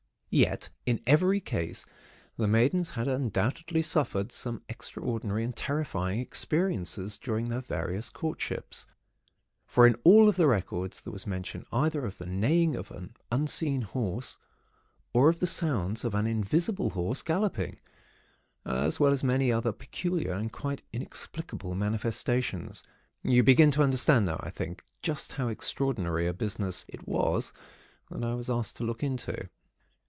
Yet, in every case, the maidens had undoubtedly suffered some extraordinary and terrifying experiences during their various courtships, for in all of the records there was mention either of the neighing of an unseen horse, or of the sounds of an invisible horse galloping, as well as many other peculiar and quite inexplicable manifestations. You begin to understand now, I think, just how extraordinary a business it was that I was asked to look into.